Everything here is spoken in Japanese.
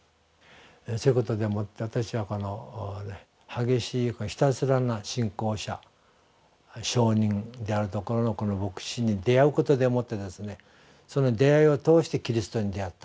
そういうことでもって私は激しいひたすらな信仰者証人であるところのこの牧師に出会うことでもってその出会いを通してキリストに出会ったんです。